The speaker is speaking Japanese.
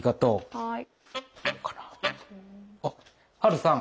はい。